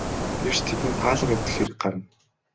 Гэвч тэдэнд хаалга эвдэх хэрэг гарна.